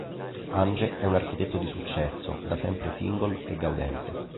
Ange è un architetto di successo, da sempre single e gaudente.